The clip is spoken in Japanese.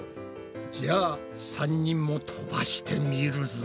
じゃあ３人も飛ばしてみるぞ。